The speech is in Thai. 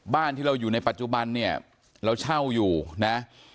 บ้านที่เราอยู่ในปัจจุบันเนี่ยเราเช่าอยู่นะ